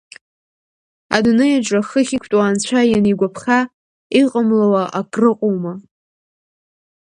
Адунеи аҿы, хыхь иқәтәоу Анцәа ианигәаԥха, иҟамлауа акрыҟоума?!